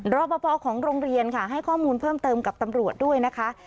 รอปภของโรงเรียนค่ะให้ข้อมูลเพิ่มเติมกับตำรวจด้วยนะคะ